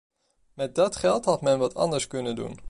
Met dat geld had men wat anders kunnen doen.